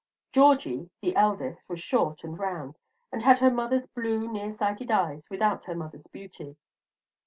Georgie, the eldest, was short and round, and had her mother's blue near sighted eyes without her mother's beauty.